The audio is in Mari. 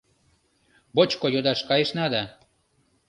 Бочко йодаш кайышна да